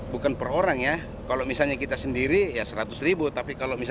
bukan per orang ya kalau misalnya kita sendiri ya seratus ribu